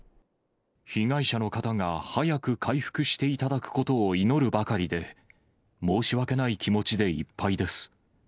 被害者の方が早く回復していただくことを祈るばかりで、申し訳ない気持ちでいっぱいです。